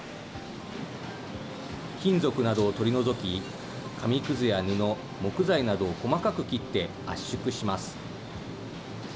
金属などを取り除き、紙くずや布、木材などを細かく切って、圧縮します。